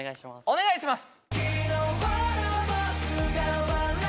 お願いします！